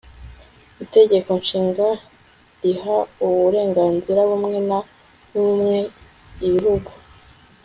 itegeko nshinga riha uburenganzira bumwe na bumwe ibihugu